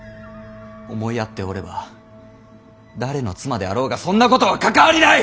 思い合っておれば誰の妻であろうがそんなことは関わりない！